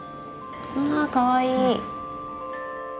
わかわいい。